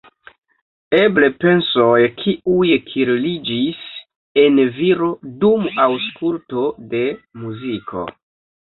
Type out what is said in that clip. Eble pensoj, kiuj kirliĝis en viro dum aŭskulto de muziko.